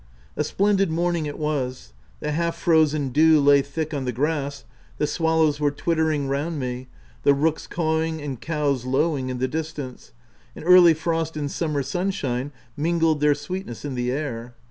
A splendid morning it was ; the half frozen dew lay thick on the grass, the swallows were twittering round me, the rooks cawing and cows lowing in the distance ; and early frost and summer sunshine mingled their sweetness in the air.